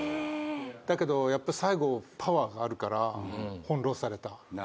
だけどやっぱ最後パワーがあるから翻弄された。